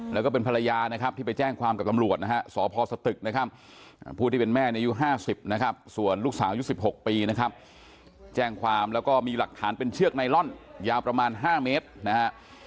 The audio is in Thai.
แล้วก็มีหลักฐานเป็นเชื่อกยาวประมาณห้าเมตรนะฮะ